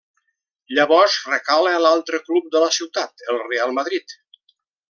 Llavors recala a l'altre club de la ciutat, el Reial Madrid.